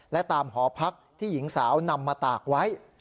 และตามหอพักที่หญิงสาวนำมาตากไว้